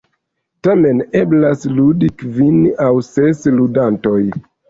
Tamen, eblas ludi kvin aŭ ses ludantoj.